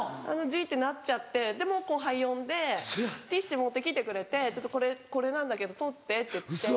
ジってなっちゃってでもう後輩呼んでティッシュ持って来てくれて「これなんだけど取って」って言って。